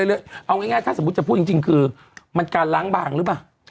เอาง่ายถ้าสมมุติจะพูดจริงคือมันการล้างบางหรือเปล่า